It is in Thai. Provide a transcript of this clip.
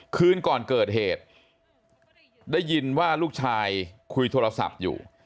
คืนก่อนเกิดเหตุได้ยินว่าลูกชายคุยโทรศัพท์อยู่